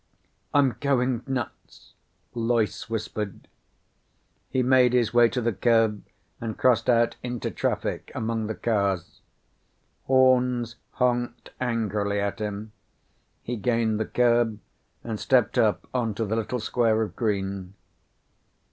"I'm going nuts," Loyce whispered. He made his way to the curb and crossed out into traffic, among the cars. Horns honked angrily at him. He gained the curb and stepped up onto the little square of green.